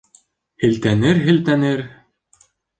Һелтәнер, һелтәнер